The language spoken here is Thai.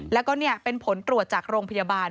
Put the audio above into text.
แล้วก็เป็นผลตรวจจากโรงพยาบาล